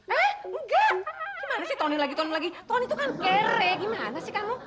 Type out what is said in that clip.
eh enggak gimana sih tony lagi toni lagi tony itu kan kere gimana sih kamu